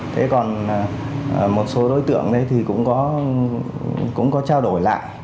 thế còn một số đối tượng đấy thì cũng có trao đổi lại